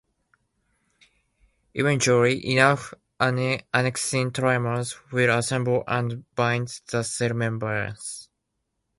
Eventually, enough annexin trimers will assemble and bind the cell membrane.